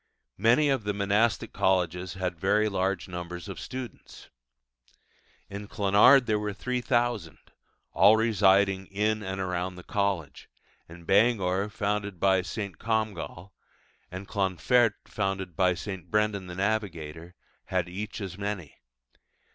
Many of the monastic colleges had very large numbers of students. In Clonard there were 3,000, all residing in and around the college; and Bangor founded by St. Comgall, and Clonfert founded by St. Brendan the Navigator, had each as many.